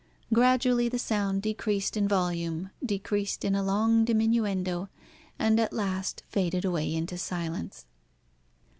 Gradually the sound decreased in volume, decreased in a long diminuendo, and at last faded away into silence.